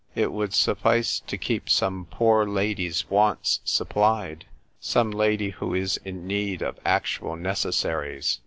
It would suffice to keep some poor lady's wants supplied — some lady who is in need of actual necessaries.